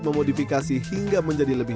memodifikasi hingga menjadi lebih